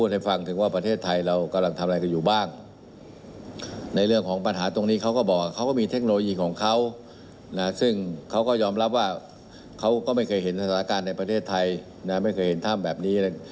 ในประเทศไทยไม่เคยเห็นถ้ำแบบนี้เลย